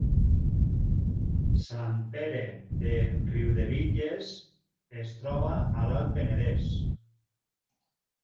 Sant Pere de Riudebitlles es troba a l’Alt Penedès